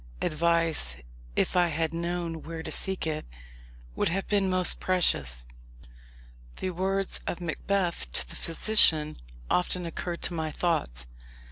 Advice, if I had known where to seek it, would have been most precious. The words of Macbeth to the physician often occurred to my thoughts.